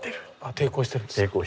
抵抗してる。